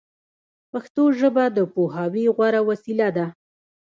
پښتو ژبه د پوهاوي غوره وسیله ده